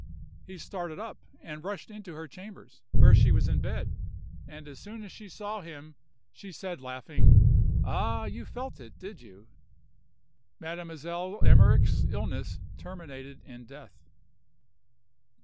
He started up and rushed into her chamber, where she was in bed; and as soon as she saw him she said, laughing: "Ah, you felt it, did you?" Mademoiselle Emmerich's illness terminated in death.